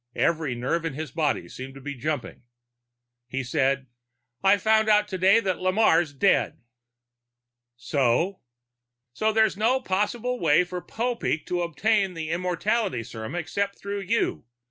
Every nerve in his body seemed to be jumping. He said, "I found out today that Lamarre's dead." "So?" "So there's no possible way for Popeek to obtain the immortality serum except through you.